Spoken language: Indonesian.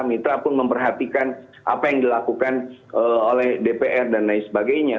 mitra pun memperhatikan apa yang dilakukan oleh dpr dan lain sebagainya